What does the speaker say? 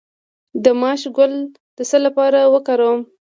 د ماش ګل د څه لپاره وکاروم؟